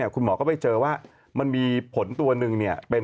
คุณหมอก็ไปเจอว่ามันมีผลตัวหนึ่ง